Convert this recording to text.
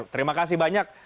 terima kasih banyak